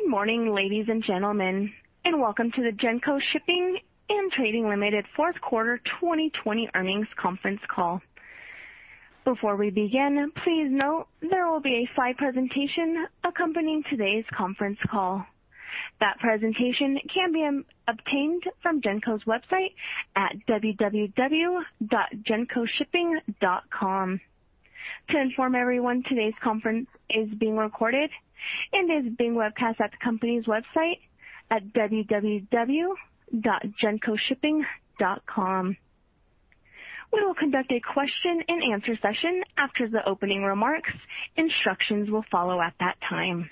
Good morning, ladies and gentlemen, and welcome to the Genco Shipping & Trading Limited fourth quarter 2020 earnings conference call. Before we begin, please note there will be a slide presentation accompanying today's conference call. That presentation can be obtained from Genco's website at www.gencoshipping.com. To inform everyone, today's conference is being recorded and is being webcast at the company's website at www.gencoshipping.com. We will conduct a question and answer session after the opening remarks. Instructions will follow at that time.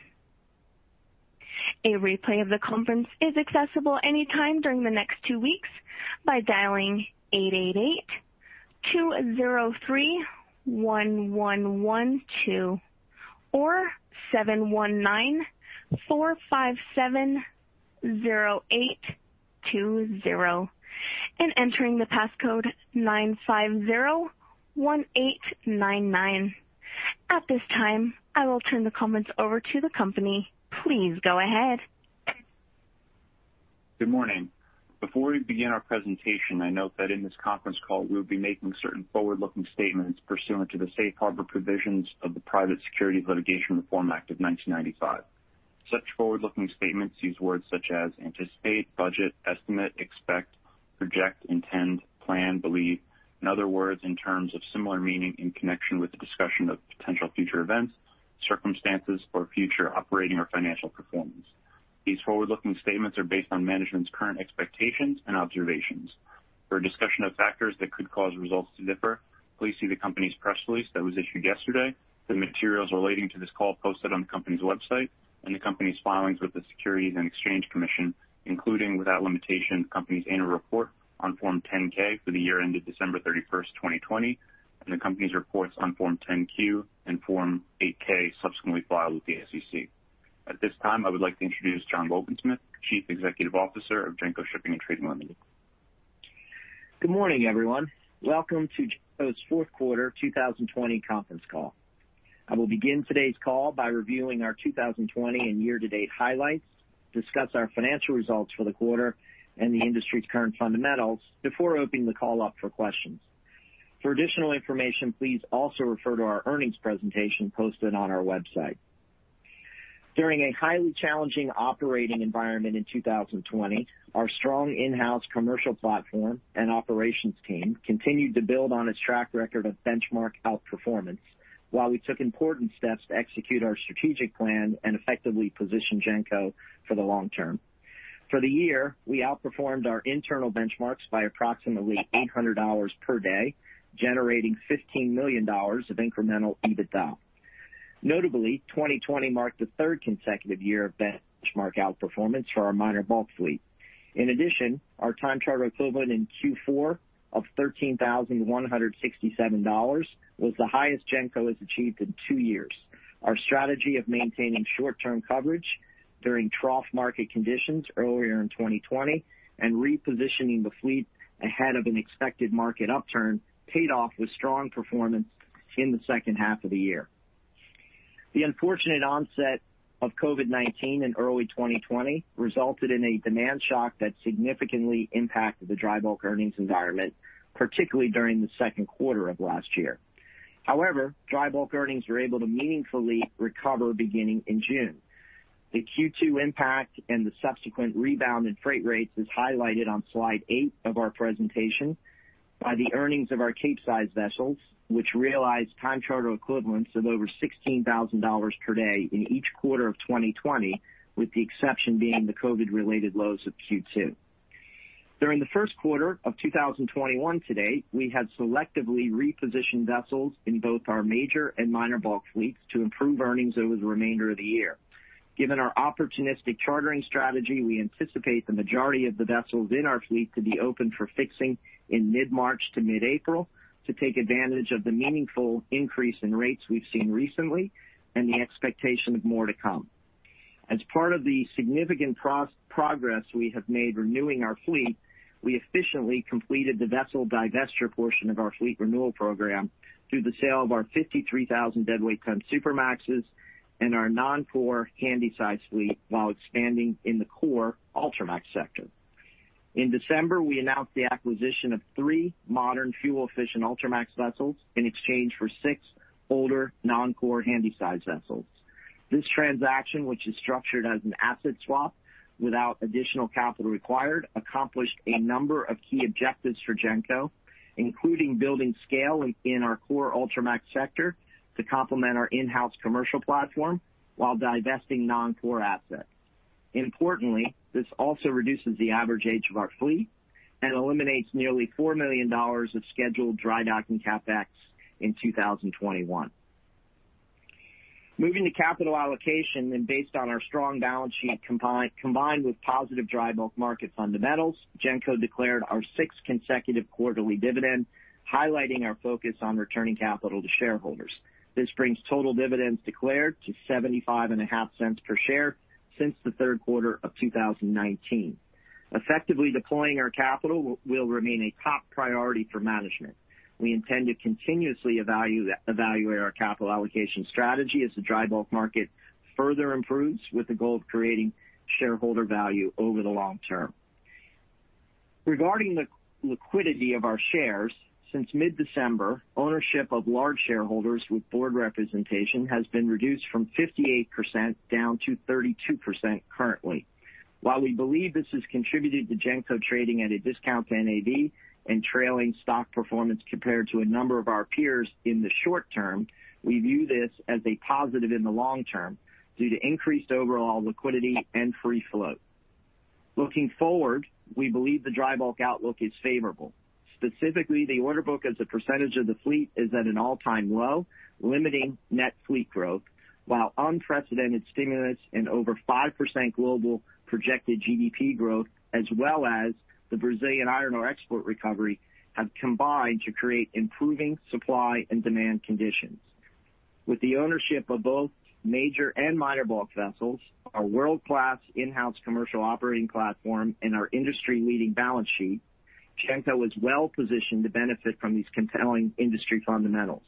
At this time, I will turn the comments over to the company. Please go ahead. Good morning. Before we begin our presentation, I note that in this conference call, we will be making certain forward-looking statements pursuant to the Safe Harbor Provisions of the Private Securities Litigation Reform Act of 1995. Such forward-looking statements use words such as anticipate, budget, estimate, expect, project, intend, plan, believe, and other words in terms of similar meaning in connection with the discussion of potential future events, circumstances, or future operating or financial performance. These forward-looking statements are based on management's current expectations and observations. For a discussion of factors that could cause results to differ, please see the company's press release that was issued yesterday, the materials relating to this call posted on the company's website, and the company's filings with the Securities and Exchange Commission, including, without limitation, the company's annual report on Form 10-K for the year ended December 31st, 2020, and the company's reports on Form 10-Q and Form 8-K subsequently filed with the SEC. At this time, I would like to introduce John Wobensmith, Chief Executive Officer of Genco Shipping & Trading Limited. Good morning, everyone. Welcome to Genco's Fourth Quarter 2020 conference call. I will begin today's call by reviewing our 2020 and year-to-date highlights, discuss our financial results for the quarter and the industry's current fundamentals before opening the call up for questions. For additional information, please also refer to our earnings presentation posted on our website. During a highly challenging operating environment in 2020, our strong in-house commercial platform and operations team continued to build on its track record of benchmark outperformance while we took important steps to execute our strategic plan and effectively position Genco for the long term. For the year, we outperformed our internal benchmarks by approximately $800 per day, generating $15 million of incremental EBITDA. Notably, 2020 marked the third consecutive year of benchmark outperformance for our minor bulk fleet. In addition, our time charter equivalent in Q4 of $13,167 was the highest Genco has achieved in two years. Our strategy of maintaining short-term coverage during trough market conditions earlier in 2020 and repositioning the fleet ahead of an expected market upturn paid off with strong performance in the second half of the year. The unfortunate onset of COVID-19 in early 2020 resulted in a demand shock that significantly impacted the dry bulk earnings environment, particularly during the second quarter of last year. However, dry bulk earnings were able to meaningfully recover beginning in June. The Q2 impact and the subsequent rebound in freight rates is highlighted on slide eight of our presentation by the earnings of our Capesize vessels, which realized time charter equivalents of over $16,000 per day in each quarter of 2020, with the exception being the COVID-related lows of Q2. During the first quarter of 2021 to date, we have selectively repositioned vessels in both our major and minor bulk fleets to improve earnings over the remainder of the year. Given our opportunistic chartering strategy, we anticipate the majority of the vessels in our fleet to be open for fixing in mid-March to mid-April to take advantage of the meaningful increase in rates we've seen recently and the expectation of more to come. As part of the significant progress we have made renewing our fleet, we efficiently completed the vessel divestiture portion of our fleet renewal program through the sale of our 53,000 deadweight ton Supramaxes and our non-core Handysize fleet while expanding in the core Ultramax sector. In December, we announced the acquisition of three modern fuel-efficient Ultramax vessels in exchange for six older non-core Handysize vessels. This transaction, which is structured as an asset swap without additional capital required, accomplished a number of key objectives for Genco, including building scale in our core Ultramax sector to complement our in-house commercial platform while divesting non-core assets. Importantly, this also reduces the average age of our fleet and eliminates nearly $4 million of scheduled dry docking CapEx in 2021. Moving to capital allocation and based on our strong balance sheet combined with positive dry bulk market fundamentals, Genco declared our sixth consecutive quarterly dividend, highlighting our focus on returning capital to shareholders. This brings total dividends declared to $75.5 per share since the third quarter of 2019. Effectively deploying our capital will remain a top priority for management. We intend to continuously evaluate our capital allocation strategy as the dry bulk market further improves with the goal of creating shareholder value over the long term. Regarding the liquidity of our shares, since mid-December, ownership of large shareholders with board representation has been reduced from 58% down to 32% currently. While we believe this has contributed to Genco trading at a discount to NAV and trailing stock performance compared to a number of our peers in the short term, we view this as a positive in the long term due to increased overall liquidity and free flow. Looking forward, we believe the dry bulk outlook is favorable. Specifically, the order book as a percentage of the fleet is at an all-time low, limiting net fleet growth while unprecedented stimulus and over 5% global projected GDP growth, as well as the Brazilian iron ore export recovery, have combined to create improving supply and demand conditions. With the ownership of both major and minor bulk vessels, our world-class in-house commercial operating platform, and our industry-leading balance sheet, Genco is well-positioned to benefit from these compelling industry fundamentals.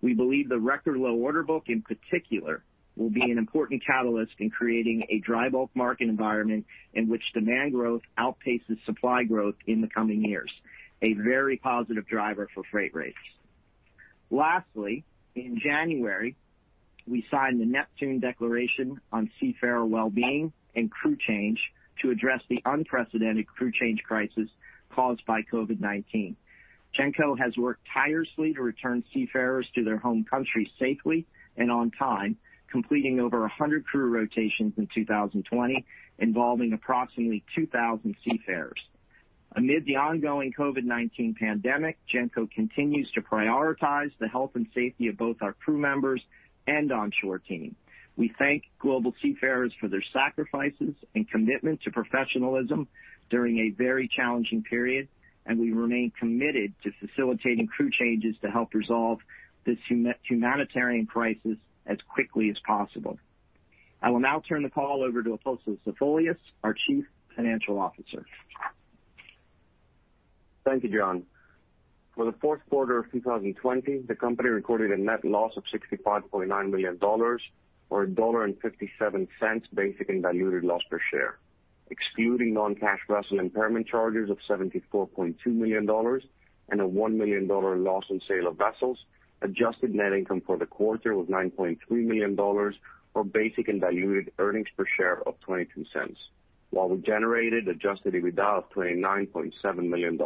We believe the record-low order book, in particular, will be an important catalyst in creating a dry bulk market environment in which demand growth outpaces supply growth in the coming years, a very positive driver for freight rates. Lastly, in January, we signed the Neptune Declaration on Seafarer Wellbeing and Crew Change to address the unprecedented crew change crisis caused by COVID-19. Genco has worked tirelessly to return seafarers to their home countries safely and on time, completing over 100 crew rotations in 2020, involving approximately 2,000 seafarers. Amid the ongoing COVID-19 pandemic, Genco continues to prioritize the health and safety of both our crew members and onshore team. We thank global seafarers for their sacrifices and commitment to professionalism during a very challenging period, and we remain committed to facilitating crew changes to help resolve this humanitarian crisis as quickly as possible. I will now turn the call over to Apostolos Zafolias, our Chief Financial Officer. Thank you, John. For the fourth quarter of 2020, the company recorded a net loss of $65.9 million, or $1.57 basic and diluted loss per share. Excluding non-cash vessel impairment charges of $74.2 million and a $1 million loss on sale of vessels, adjusted net income for the quarter was $9.3 million, or basic and diluted earnings per share of $0.22, while we generated adjusted EBITDA of $29.7 million.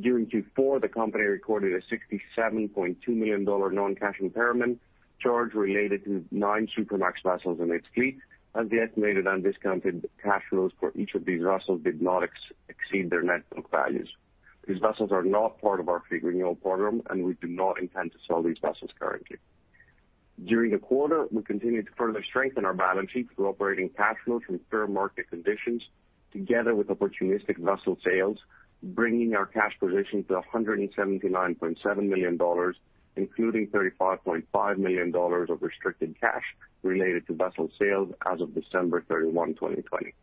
During Q4, the company recorded a $67.2 million non-cash impairment charge related to nine Supramax vessels in its fleet, as the estimated undiscounted cash flows for each of these vessels did not exceed their net book values. These vessels are not part of our fleet renewal program, and we do not intend to sell these vessels currently. During the quarter, we continued to further strengthen our balance sheet through operating cash flows from fair market conditions, together with opportunistic vessel sales, bringing our cash position to $179.7 million, including $35.5 million of restricted cash related to vessel sales as of December 31, 2020.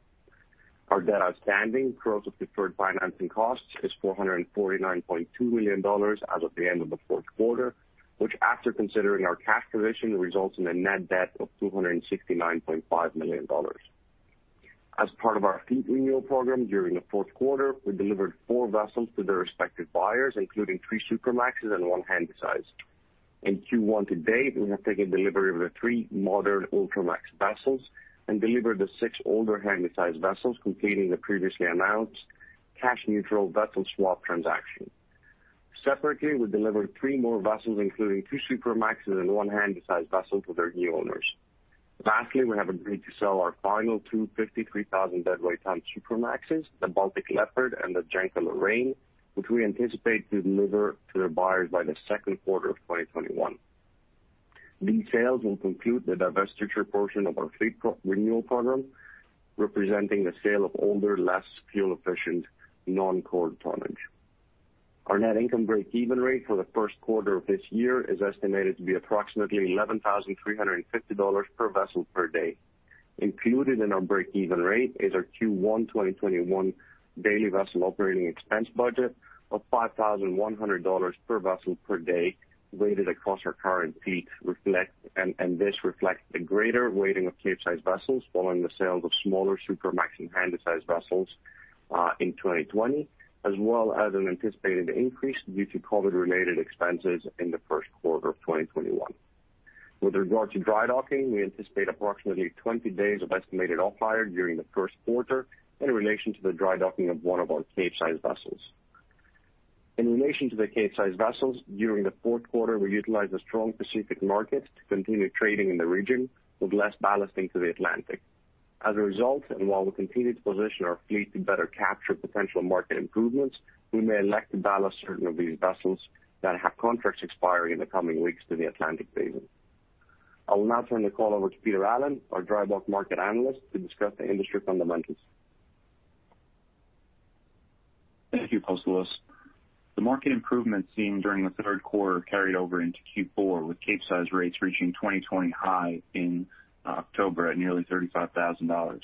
Our debt outstanding, gross of deferred financing costs, is $449.2 million as of the end of the fourth quarter, which, after considering our cash position, results in a net debt of $269.5 million. As part of our fleet renewal program during the fourth quarter, we delivered four vessels to their respective buyers, including three Supramaxes and one Handysize. In Q1 to date, we have taken delivery of the three modern Ultramax vessels and delivered the six older Handysize vessels, completing the previously announced cash-neutral vessel swap transaction. Separately, we delivered three more vessels, including two Supramaxes and one Handysize vessel to their new owners. We have agreed to sell our final two 53,000 deadweight ton Supramaxes, the Baltic Leopard and the Genco Lorraine, which we anticipate to deliver to their buyers by the second quarter of 2021. These sales will conclude the divestiture portion of our Fleet Renewal Program, representing the sale of older, less fuel-efficient non-core tonnage. Our net income break-even rate for the first quarter of this year is estimated to be approximately $11,350 per vessel per day. Included in our break-even rate is our Q1 2021 daily vessel operating expense budget of $5,100 per vessel per day, weighted across our current fleet, and this reflects the greater weighting of Capesize vessels following the sales of smaller Supramax and Handysize vessels in 2020, as well as an anticipated increase due to COVID-related expenses in the first quarter of 2021. With regard to dry docking, we anticipate approximately 20 days of estimated off-hire during the first quarter in relation to the dry docking of one of our Capesize vessels. In relation to the Capesize vessels, during the fourth quarter, we utilized a strong Pacific market to continue trading in the region with less ballasting to the Atlantic. As a result, and while we continue to position our fleet to better capture potential market improvements, we may elect to ballast certain of these vessels that have contracts expiring in the coming weeks to the Atlantic Basin. I will now turn the call over to Peter Allen, our dry bulk market analyst, to discuss the industry fundamentals. Thank you, Apostolos. The market improvement seen during the third quarter carried over into Q4, with Capesize rates reaching 2020 high in October at nearly $35,000.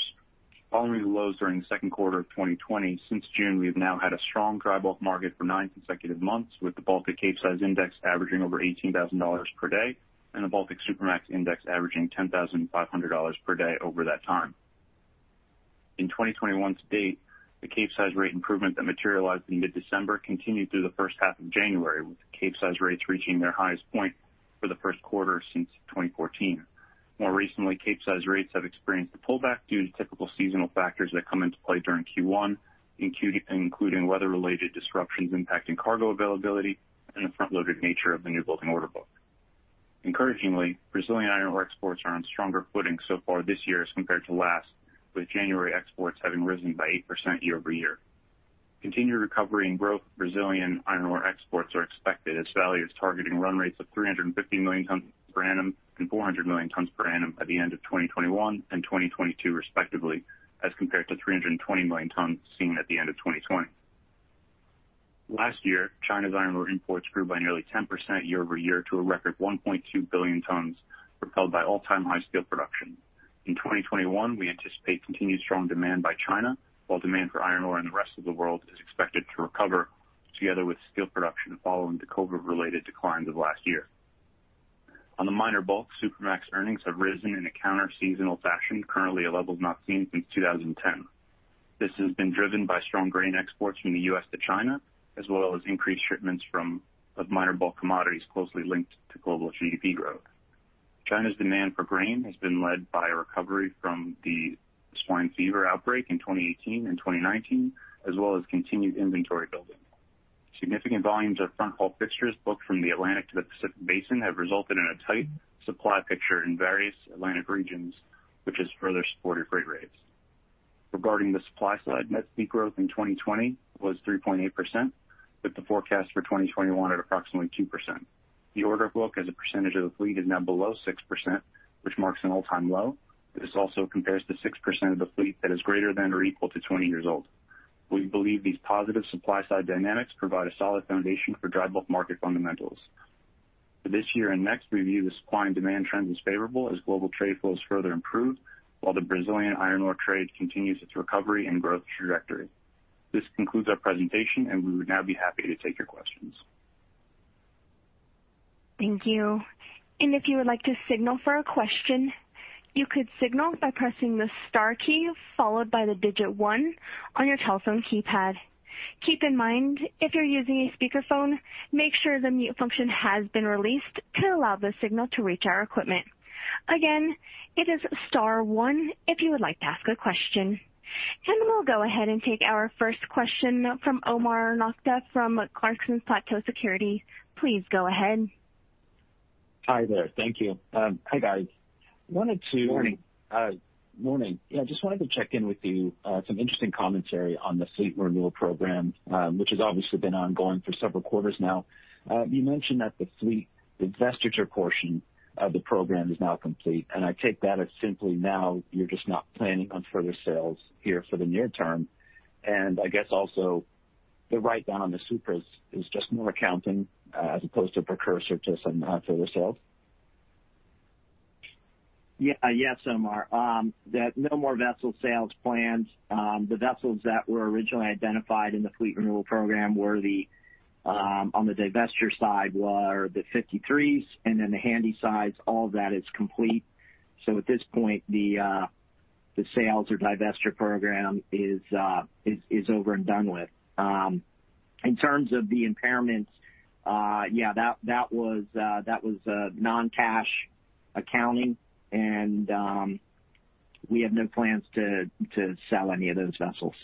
Following the lows during the second quarter of 2020, since June, we've now had a strong dry bulk market for nine consecutive months, with the Baltic Capesize Index averaging over $18,000 per day and the Baltic Supramax Index averaging $10,500 per day over that time. In 2021 to date, the Capesize rate improvement that materialized in mid-December continued through the first half of January, with Capesize rates reaching their highest point for the first quarter since 2014. More recently, Capesize rates have experienced a pullback due to typical seasonal factors that come into play during Q1, including weather-related disruptions impacting cargo availability and the front-loaded nature of the newbuilding order book. Encouragingly, Brazilian iron ore exports are on stronger footing so far this year as compared to last, with January exports having risen by 8% year-over-year. Continued recovery and growth of Brazilian iron ore exports are expected as Vale is targeting run rates of 350 million tons per annum and 400 million tons per annum by the end of 2021 and 2022 respectively, as compared to 320 million tons seen at the end of 2020. Last year, China's iron ore imports grew by nearly 10% year-over-year to a record 1.2 billion tons, propelled by all-time high steel production. In 2021, we anticipate continued strong demand by China, while demand for iron ore in the rest of the world is expected to recover together with steel production following the COVID-19-related declines of last year. On the minor bulk, Supramax earnings have risen in a counter-seasonal fashion, currently at levels not seen since 2010. This has been driven by strong grain exports from the U.S. to China, as well as increased shipments of minor bulk commodities closely linked to global GDP growth. China's demand for grain has been led by a recovery from the swine fever outbreak in 2018 and 2019, as well as continued inventory building. Significant volumes of front-haul fixtures booked from the Atlantic to the Pacific Basin have resulted in a tight supply picture in various Atlantic regions, which has further supported freight rates. Regarding the supply side, net fleet growth in 2020 was 3.8%, with the forecast for 2021 at approximately 2%. The order book as a percentage of the fleet is now below 6%, which marks an all-time low. This also compares to 6% of the fleet that is greater than or equal to 20 years old. We believe these positive supply-side dynamics provide a solid foundation for dry bulk market fundamentals. For this year and next, we view the supply and demand trends as favorable as global trade flows further improve, while the Brazilian iron ore trade continues its recovery and growth trajectory. This concludes our presentation, and we would now be happy to take your questions. Thank you. If you would like to signal for a question, you could signal by pressing the star key followed by the digit one on your telephone keypad. Keep in mind, if you're using a speakerphone, make sure the mute function has been released to allow the signal to reach our equipment. Again, it is star one if you would like to ask a question. We'll go ahead and take our first question from Omar Nokta from Clarksons Platou Securities. Please go ahead. Hi there. Thank you. Hi, guys. Morning. Morning. Yeah, just wanted to check in with you. Some interesting commentary on the fleet renewal program, which has obviously been ongoing for several quarters now. I take that as simply now you're just not planning on further sales here for the near term. I guess also the write-down on the Supras is just more accounting as opposed to a precursor to some further sales? Yes, Omar. No more vessel sales plans. The vessels that were originally identified in the fleet renewal program on the divestiture side were the 53s and then the Handysizes. All of that is complete. At this point, the sales or divestiture program is over and done with. In terms of the impairments, yeah, that was non-cash accounting, and we have no plans to sell any of those vessels.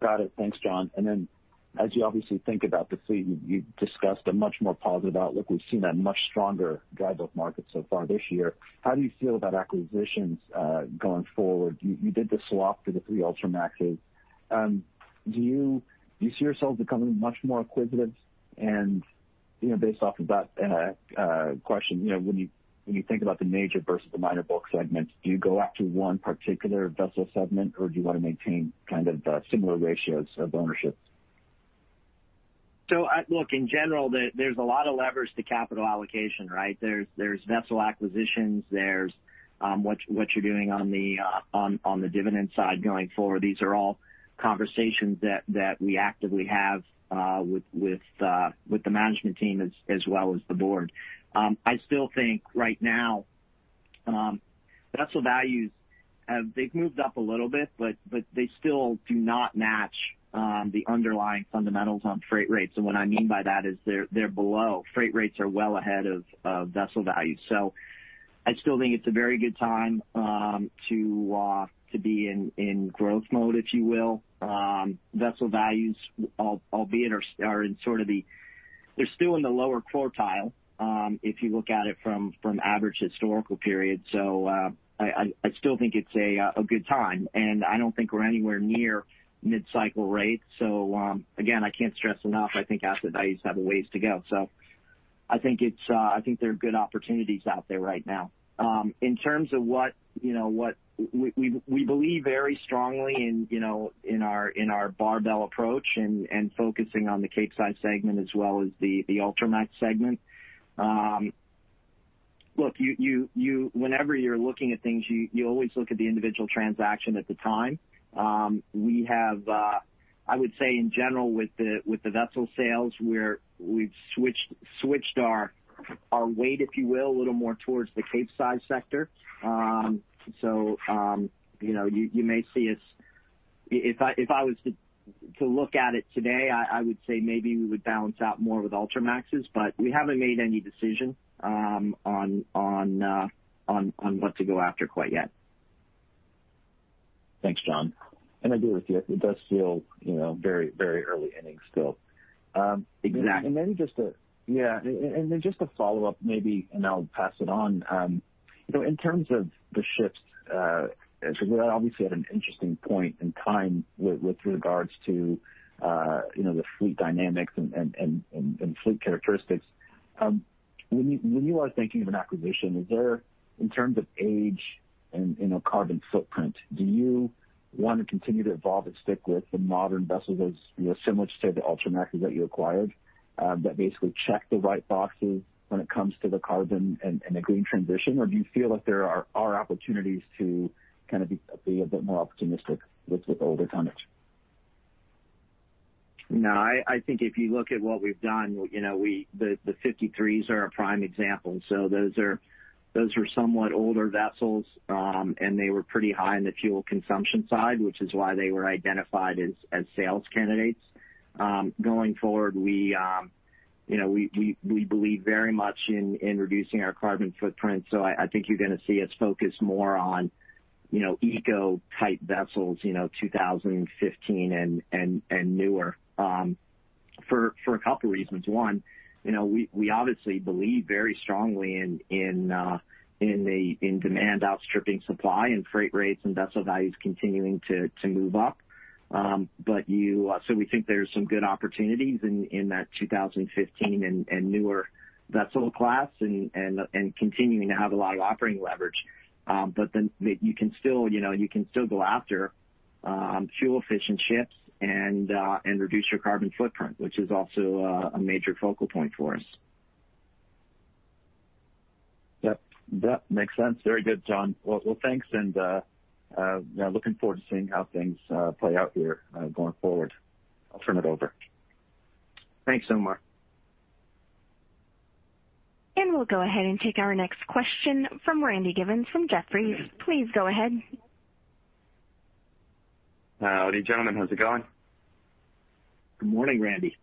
Got it. Thanks, John. As you obviously think about the fleet, you discussed a much more positive outlook. We've seen a much stronger dry bulk market so far this year. How do you feel about acquisitions going forward? You did the swap for the three Ultramaxes. Do you see yourselves becoming much more acquisitive? Based off of that question, when you think about the major versus the minor bulk segments, do you go after one particular vessel segment, or do you want to maintain kind of similar ratios of ownership? Look, in general, there's a lot of levers to capital allocation, right? There's vessel acquisitions. There's what you're doing on the dividend side going forward. These are all conversations that we actively have with the management team as well as the board. I still think right now, vessel values, they've moved up a little bit, but they still do not match the underlying fundamentals on freight rates. What I mean by that is they're below. Freight rates are well ahead of vessel values. I still think it's a very good time to be in growth mode, if you will. Vessel values, albeit are still in the lower quartile if you look at it from average historical periods. I still think it's a good time, and I don't think we're anywhere near mid-cycle rates. Again, I can't stress enough, I think asset values have a ways to go. I think there are good opportunities out there right now. In terms of what we believe very strongly in our barbell approach and focusing on the Capesize segment as well as the Ultramax segment. Look, whenever you're looking at things, you always look at the individual transaction at the time. I would say in general with the vessel sales, we've switched our weight, if you will, a little more towards the Capesize sector. You may see us If I was to look at it today, I would say maybe we would balance out more with Ultramaxes, but we haven't made any decision on what to go after quite yet. Thanks, John. I agree with you. It does feel very early inning still. Exactly. Yeah. Just a follow-up maybe, I'll pass it on. In terms of the ships, we're obviously at an interesting point in time with regards to the fleet dynamics and fleet characteristics. When you are thinking of an acquisition, is there, in terms of age and carbon footprint, do you want to continue to evolve and stick with the modern vessels as similar to, say, the Ultramaxes that you acquired, that basically check the right boxes when it comes to the carbon and the green transition? Do you feel like there are opportunities to be a bit more opportunistic with older tonnage? I think if you look at what we've done, the 53s are a prime example. Those are somewhat older vessels, and they were pretty high on the fuel consumption side, which is why they were identified as sales candidates. Going forward, we believe very much in reducing our carbon footprint. I think you're going to see us focus more on eco-type vessels, 2015 and newer, for a two reasons. One, we obviously believe very strongly in demand outstripping supply and freight rates and vessel values continuing to move up. You can still go after fuel-efficient ships and reduce your carbon footprint, which is also a major focal point for us. Yep. Makes sense. Very good, John. Well, thanks and looking forward to seeing how things play out here going forward. I'll turn it over. Thanks, Omar. We'll go ahead and take our next question from Randy Giveans from Jefferies. Please go ahead. Howdy, gentlemen. How's it going? Good morning, Randy.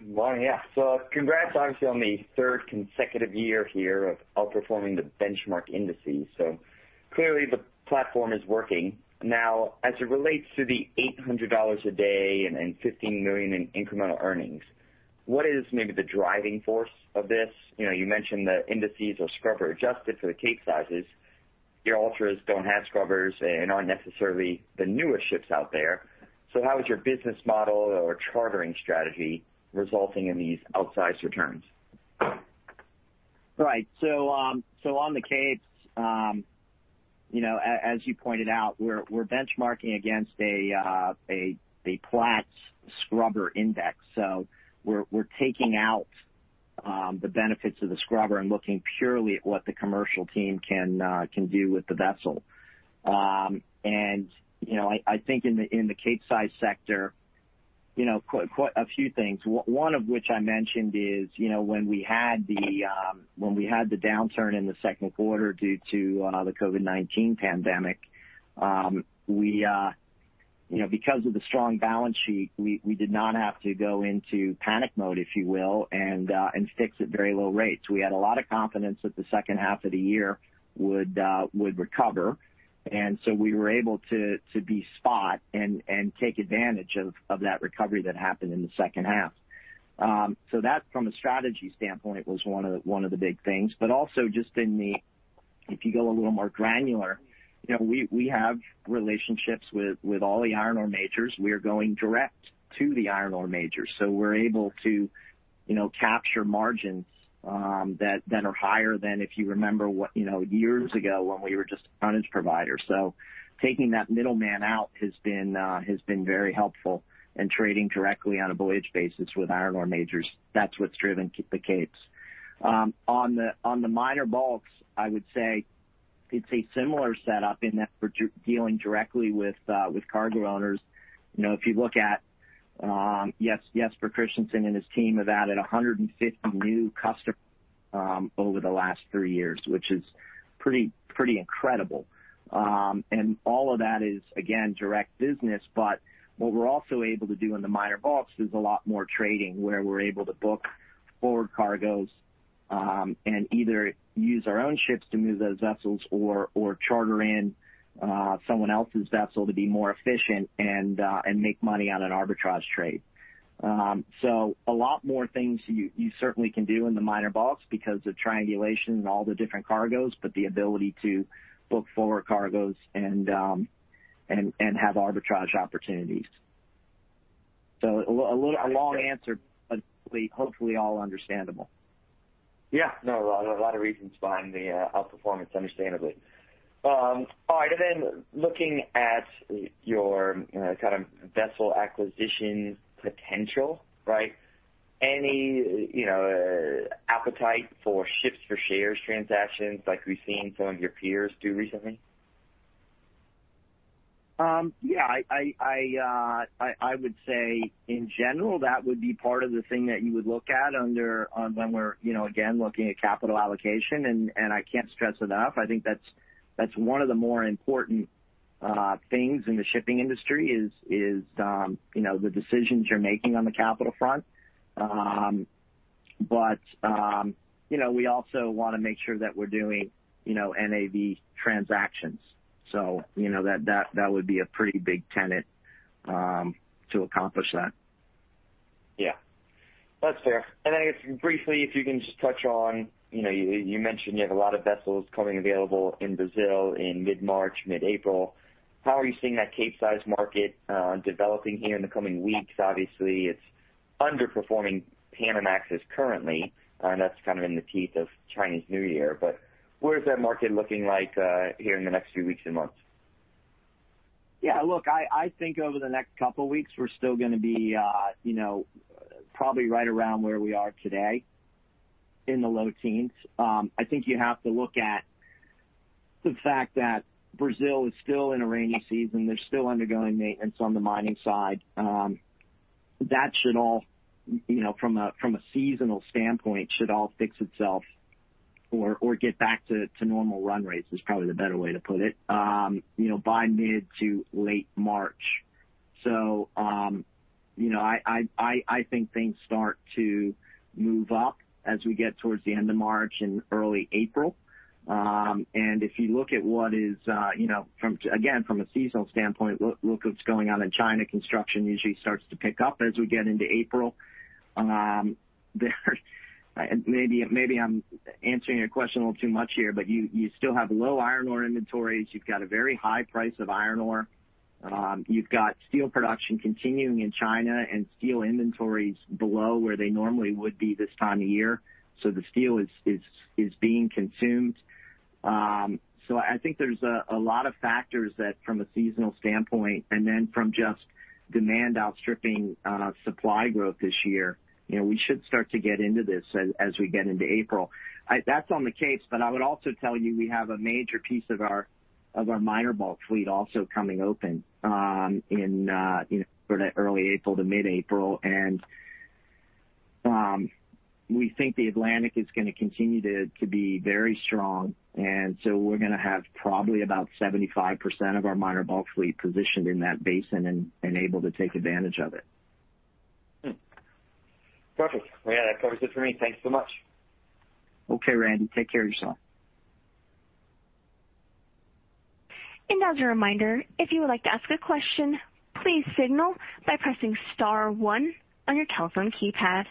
Morning. Yeah. Congrats, obviously, on the third consecutive year here of outperforming the benchmark indices. Clearly the platform is working. Now, as it relates to the $800 a day and $15 million in incremental earnings, what is maybe the driving force of this? You mentioned the indices are scrubber-adjusted for the Capesizes. Your Ultras don't have scrubbers and aren't necessarily the newest ships out there. How is your business model or chartering strategy resulting in these outsized returns? Right. On the Capes, as you pointed out, we're benchmarking against a Platts scrubber index. We're taking out the benefits of the scrubber and looking purely at what the commercial team can do with the vessel. I think in the Capesize sector, a few things, one of which I mentioned is when we had the downturn in the second quarter due to the COVID-19 pandemic, because of the strong balance sheet, we did not have to go into panic mode, if you will, and fix at very low rates. We had a lot of confidence that the second half of the year would recover, and so we were able to be spot and take advantage of that recovery that happened in the second half. That from a strategy standpoint was one of the big things. Also just if you go a little more granular, we have relationships with all the iron ore majors. We are going direct to the iron ore majors. We're able to capture margins that are higher than if you remember years ago when we were just a tonnage provider. Taking that middleman out has been very helpful and trading directly on a voyage basis with iron ore majors, that's what's driven the Capes. On the minor bulks, I would say it's a similar setup in that we're dealing directly with cargo owners. If you look at Jesper Christensen and his team have added 150 new customers over the last three years, which is pretty incredible. All of that is, again, direct business. What we're also able to do in the minor bulks is a lot more trading where we're able to book forward cargoes and either use our own ships to move those vessels or charter in someone else's vessel to be more efficient and make money on an arbitrage trade. A lot more things you certainly can do in the minor bulks because of triangulation and all the different cargoes, but the ability to book forward cargoes and have arbitrage opportunities. A long answer, but hopefully all understandable. Yeah. No, a lot of reasons behind the outperformance, understandably. All right. Then looking at your vessel acquisition potential, any appetite for ships-for-shares transactions like we've seen some of your peers do recently? Yeah. I would say, in general, that would be part of the thing that you would look at when we're, again, looking at capital allocation, and I can't stress enough, I think that's one of the more important things in the shipping industry is the decisions you're making on the capital front. We also want to make sure that we're doing NAV transactions. That would be a pretty big tenet to accomplish that. Yeah. That's fair. Briefly, if you can just touch on, you mentioned you have a lot of vessels coming available in Brazil in mid-March, mid-April. How are you seeing that Capesize market developing here in the coming weeks? Obviously, it's underperforming Panamaxes currently, and that's in the teeth of Chinese New Year. What is that market looking like here in the next few weeks and months? Yeah, look, I think over the next couple of weeks, we're still going to be probably right around where we are today, in the low teens. I think you have to look at the fact that Brazil is still in a rainy season. They're still undergoing maintenance on the mining side. From a seasonal standpoint, should all fix itself or get back to normal run rates, is probably the better way to put it, by mid to late March. I think things start to move up as we get towards the end of March and early April. If you look at what is, again, from a seasonal standpoint, look what's going on in China. Construction usually starts to pick up as we get into April. Maybe I'm answering your question a little too much here, but you still have low iron ore inventories. You've got a very high price of iron ore. You've got steel production continuing in China and steel inventories below where they normally would be this time of year. The steel is being consumed. I think there's a lot of factors that from a seasonal standpoint, and then from just demand outstripping supply growth this year, we should start to get into this as we get into April. That's on the Capes, but I would also tell you, we have a major piece of our minor bulk fleet also coming open in early April to mid-April, and we think the Atlantic is going to continue to be very strong. We're going to have probably about 75% of our minor bulk fleet positioned in that basin and able to take advantage of it. Perfect. Yeah, that covers it for me. Thanks so much. Okay, Randy. Take care of yourself. As a reminder, if you would like to ask a question, please signal by pressing star one on your telephone keypad.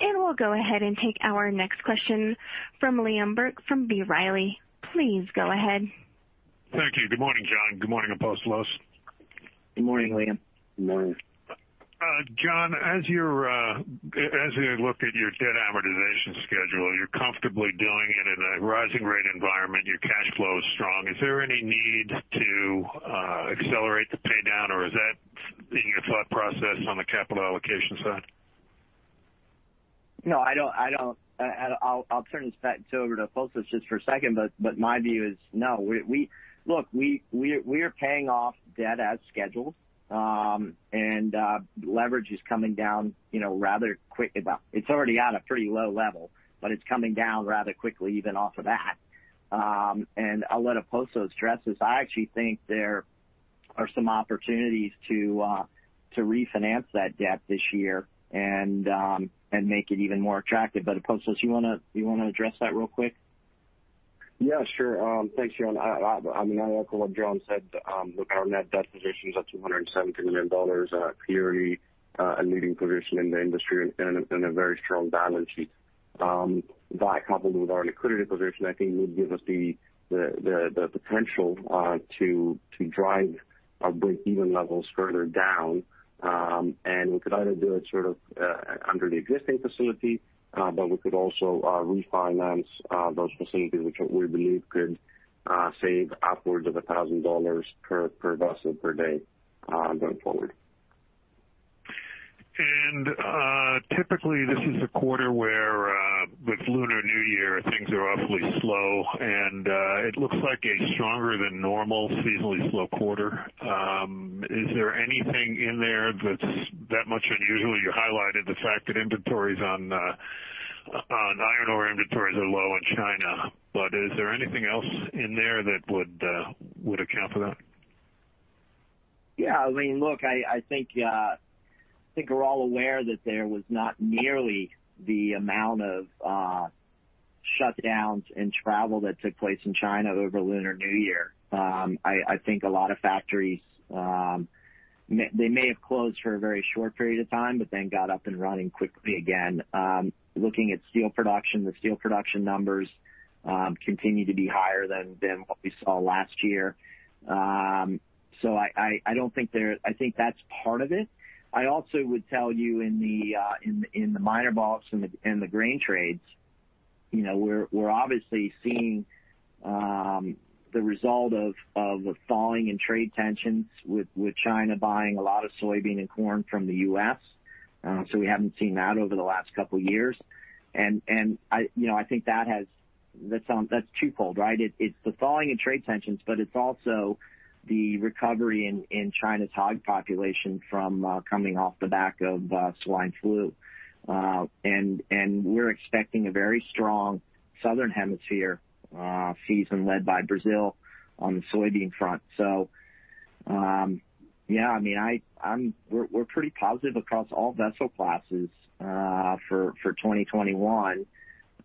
We'll go ahead and take our next question from Liam Burke from B. Riley. Please go ahead. Thank you. Good morning, John. Good morning, Apostolos. Good morning, Liam. Good morning. John, as we look at your debt amortization schedule, you're comfortably doing it in a rising rate environment. Your cash flow is strong. Is there any need to accelerate the pay-down, or is that in your thought process on the capital allocation side? No, I don't. I'll turn this back over to Apostolos just for a second, but my view is no. Look, we are paying off debt as scheduled. Leverage is coming down rather quick. It's already at a pretty low level, but it's coming down rather quickly even off of that. I'll let Apostolos address this. I actually think there are some opportunities to refinance that debt this year and make it even more attractive. Apostolos, do you want to address that real quick? Yeah, sure. Thanks, John. I mean, I echo what John said. Look, our net debt position is at $270 million, clearly a leading position in the industry and a very strong balance sheet. That, coupled with our liquidity position, I think would give us the potential to drive our break-even levels further down. We could either do it sort of under the existing facility, we could also refinance those facilities, which we believe could save upwards of $1,000 per vessel per day going forward. Typically, this is a quarter where with Lunar New Year, things are awfully slow, and it looks like a stronger than normal seasonally slow quarter. Is there anything in there that's that much unusual? You highlighted the fact that iron ore inventories are low in China. Is there anything else in there that would account for that? Yeah. I mean, look, I think we're all aware that there was not nearly the amount of shutdowns in travel that took place in China over Lunar New Year. I think a lot of factories, they may have closed for a very short period of time, but then got up and running quickly again. Looking at steel production, the steel production numbers continue to be higher than what we saw last year. I think that's part of it. I also would tell you in the minor bulks and the grain trades, we're obviously seeing the result of the thawing in trade tensions with China buying a lot of soybean and corn from the U.S. We haven't seen that over the last couple of years. I think that's twofold, right? It's the thawing in trade tensions, but it's also the recovery in China's hog population from coming off the back of swine fever. We're expecting a very strong southern hemisphere season led by Brazil on the soybean front. Yeah, we're pretty positive across all vessel classes for 2021.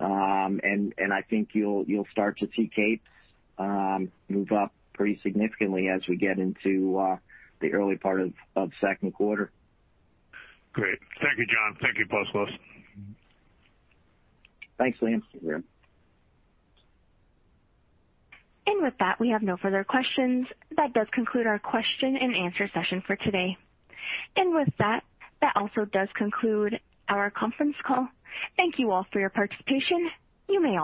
I think you'll start to see Capes move up pretty significantly as we get into the early part of second quarter. Great. Thank you, John. Thank you, Apostolos. Thanks, Liam. Yeah. With that, we have no further questions. That does conclude our question-and-answer session for today. With that also does conclude our conference call. Thank you all for your participation. You may all disconnect.